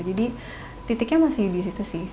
jadi titiknya masih di situ sih